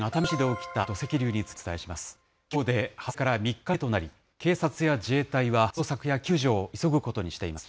きょうで発生から３日目となり、警察や自衛隊は捜索や救助を急ぐことにしています。